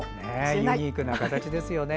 ユニークな形ですね。